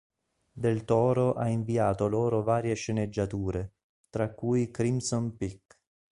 Del Toro ha inviato loro varie sceneggiature, tra cui "Crimson Peak".